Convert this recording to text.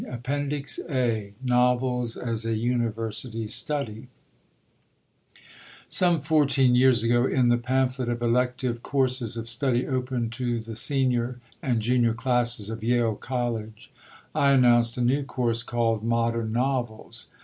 APPENDIX A NOVELS AS A UNIVERSITY STUDY Some fourteen years ago, in the pamphlet of elective courses of study open to the senior and junior classes of Yale College, I announced a new course called "Modern Novels."